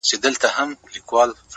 دنیا دوی ورځي ده